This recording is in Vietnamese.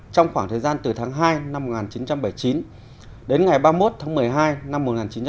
trong khoảng thời gian từ tháng hai năm một nghìn chín trăm bảy mươi chín đến ngày ba mươi một tháng một mươi hai năm một nghìn chín trăm bảy mươi